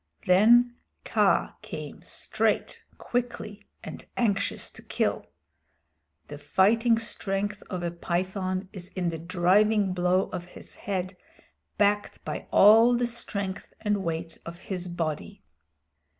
Then Kaa came straight, quickly, and anxious to kill. The fighting strength of a python is in the driving blow of his head backed by all the strength and weight of his body.